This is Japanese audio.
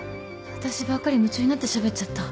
私ばっかり夢中になってしゃべっちゃった。